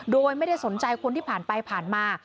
โดยไม่ได้สนใจคนที่ผ่านไปผ่านมา